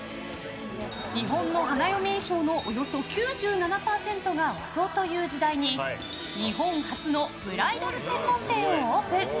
日本の花嫁衣装のおよそ９７％が和装という時代に日本初のブライダル専門店をオープン。